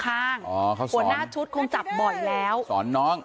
หัวหน้าชุดคงจับบ่อยแล้วสอนน้อง